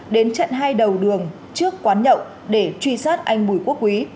đến chặn hai đầu đường trước quán nhậu để truy sát anh bùi quốc quý